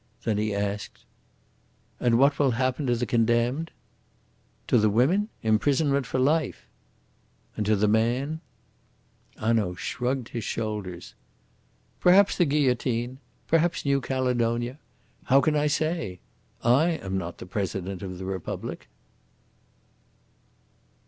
Then he asked: "And what will happen to the condemned?" "To the women? Imprisonment for life." "And to the man?" Hanaud shrugged his shoulders. "Perhaps the guillotine. Perhaps New Caledonia. How can I say? I am not the President of the Republic."